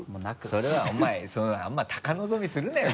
それはお前あんま高望みするなよ